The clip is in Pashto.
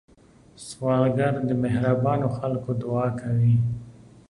سوالګر د مهربانو خلکو دعا کوي